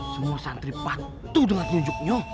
semua santri patuh dengan rujuknya